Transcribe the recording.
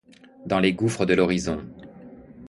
Dans les gouffres de l’horizon